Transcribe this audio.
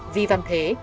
vì văn thế